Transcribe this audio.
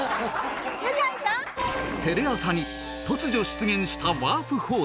テレ朝に突如出現したワープホール